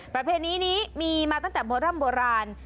ประเภทนี้นี้มีมาตั้งแต่โบราณ